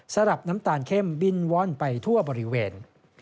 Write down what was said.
สำหรับน้ำตาลเข้มบินว่อนไปทั่วบริเวณ